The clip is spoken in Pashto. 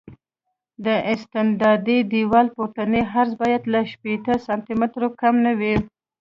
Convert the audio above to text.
د استنادي دیوال پورتنی عرض باید له شپېته سانتي مترو کم نه وي